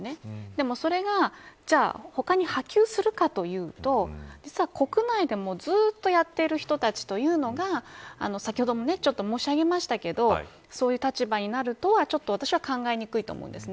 でも、それがじゃあ他に波及するかというと実は国内でもずっとやってる人たちっていうのが先ほども、ちょっと申し上げましたけれどもそういう立場になるとは私は考えにくいと思うんです。